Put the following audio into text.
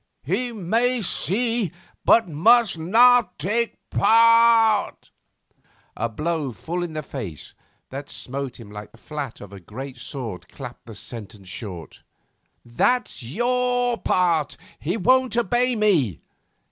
He may see, but must not take part....' A blow full in the face that smote him like the flat of a great sword clapped the sentence short. 'That's your part. He won't obey me!